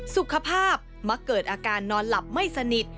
สุขภาพมักเกิดอาการนอนหลับไม่สนิท